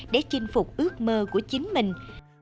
để chinh phục ước mơ của chính mình